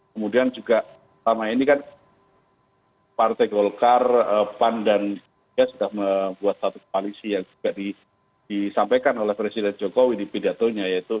kemudian juga selama ini kan partai golkar pan dan juga sudah membuat satu koalisi yang juga disampaikan oleh presiden jokowi di pidatonya yaitu